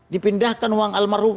dipindahkan uang almarhum